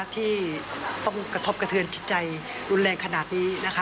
ที่ต้องกระทบกระเทือนจิตใจรุนแรงขนาดนี้